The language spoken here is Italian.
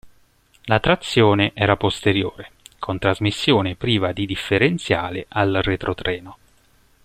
La trazione era posteriore, con trasmissione priva di differenziale al retrotreno.